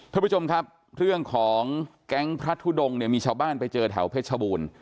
ท่านผู้ชมครับเรื่องของแก๊งพระทุดงเนี่ยมีชาวบ้านไปเจอแถวเพชรบูรณ์